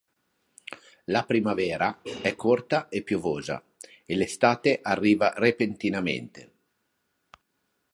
La primavera è corta e piovosa, e l'estate arriva repentinamente.